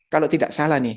kalau tidak salah nih